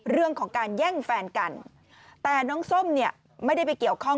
เรื่องของการแย่งแฟนกันแต่น้องส้มเนี่ยไม่ได้ไปเกี่ยวข้อง